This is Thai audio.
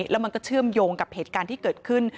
แล้วมันก็เชื่อมโยงกับเหตุการณ์ที่เกิดขึ้น